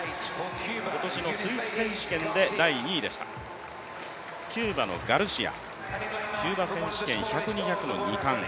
今年のスイス選手権で第２位でしたキューバのガルシア、キューバ選手権、１００、２００の２冠。